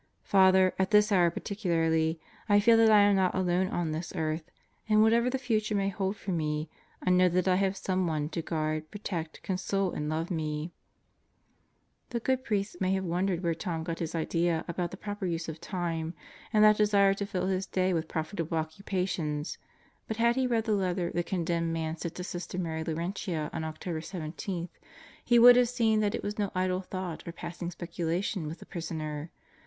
Father, at this hour particularly I feel that I am not alone on this earth and whatever the future may hold for me, I know that I have Someone to guard, protect, console, and love me. ... Deeper Depths and Broader Horizons 123 The good priest may have wondered where Tom got his idea about the proper use of time and that desire to fill his day with profitable occupations, but had he read the letter the condemned man sent to Sister Mary Laurentia on October 17 he would have seen that it was no idle thought or passing speculation with the prisoner.